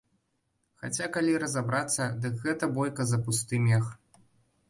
Хаця калі разабрацца, дык гэта бойка за пусты мех.